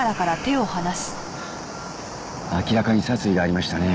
明らかに殺意がありましたね